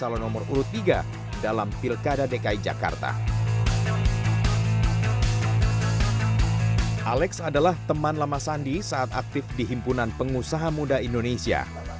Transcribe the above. alex adalah teman lama sandi saat aktif di himpunan pengusaha muda indonesia